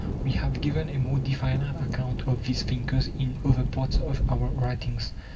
We have given a more definite account of these thinkers in other parts of our writings.